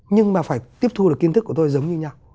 nhưng mà phải tiếp thu được kiến thức của tôi giống như nhau